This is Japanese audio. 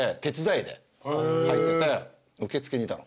入ってて受付にいたの。